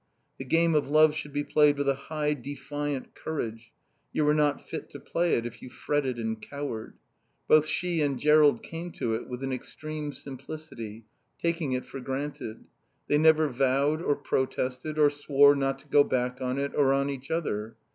The game of love should be played with a high, defiant courage; you were not fit to play it if you fretted and cowered. Both she and Jerrold came to it with an extreme simplicity, taking it for granted. They never vowed or protested or swore not to go back on it or on each other.